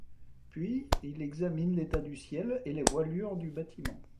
Puis, il examine l’état du ciel et la voilure du bâtiment.